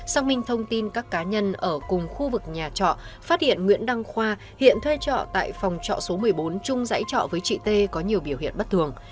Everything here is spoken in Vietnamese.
xác minh thông tin các cá nhân ở cùng khu vực nhà trọ phát hiện nguyễn đăng khoa hiện thuê trọ tại phòng trọ số một mươi bốn chung dãy trọ với chị t có nhiều biểu hiện bất thường